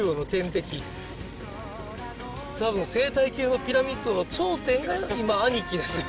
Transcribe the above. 多分生態系のピラミッドの頂点が今兄貴ですよ。